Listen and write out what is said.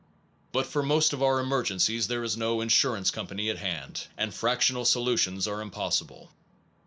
But for most of our emergencies there is no insur ance company at hand, and fractional solutions are impossible.